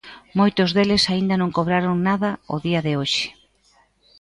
Moitos deles aínda non cobraron nada a día de hoxe.